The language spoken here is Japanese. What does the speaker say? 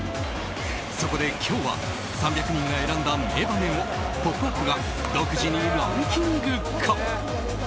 そこで今日は３００人が選んだ名場面を「ポップＵＰ！」が独自にランキング化。